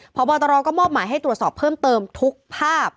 พบตรก็มอบหมายให้ตรวจสอบเพิ่มเติมทุกภาพ